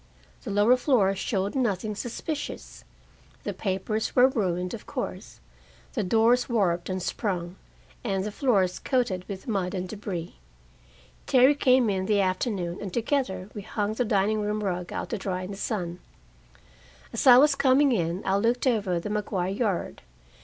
The lower floors showed nothing suspicious. The papers were ruined, of course, the doors warped and sprung, and the floors coated with mud and debris. Terry came in the afternoon, and together we hung the dining room rug out to dry in the sun. As I was coming in, I looked over at the Maguire yard.